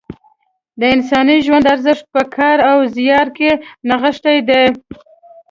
د انساني ژوند ارزښت په کار او زیار کې نغښتی دی.